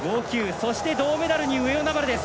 そして銅メダルに上与那原です。